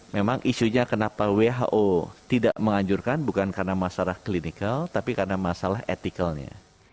memang isunya kenapa who tidak menganjurkan bukan karena masalah clinical tapi karena masalah etikalnya